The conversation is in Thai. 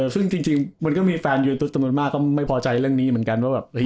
ซึ่งจริงมันก็มีแฟนยูทูตจำนวนมากก็ไม่พอใจเรื่องนี้เหมือนกันว่าแบบ